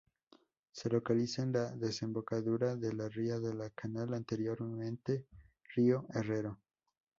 Se localiza en la desembocadura de la ría de La Canal, anteriormente río Herrero.